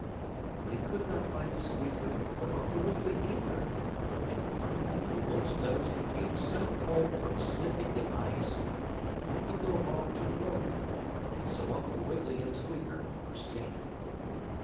But he could not find Squeaker or Uncle Wiggily either, and finally the wolf's nose became so cold from sniffing the ice that he had to go home to warm it, and so Uncle Wiggily and Squeaker were safe.